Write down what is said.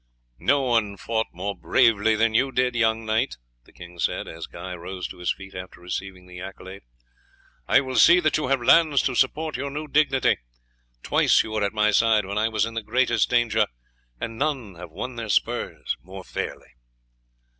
"No one fought more bravely than you did, young knight," he said, as Guy rose to his feet after receiving the accolade; "I will see that you have lands to support your new dignity. Twice you were at my side when I was in the greatest danger, and none have won their spurs more fairly."